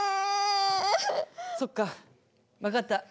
そっか分かった。